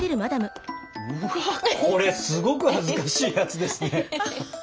うわあこれすごく恥ずかしいやつですね。